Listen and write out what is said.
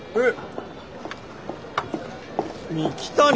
えっ。